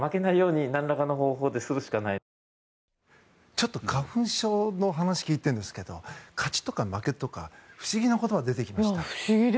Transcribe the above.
ちょっと、花粉症の話を聞いてるんですけど勝ちとか負けとか不思議な言葉が出てきました。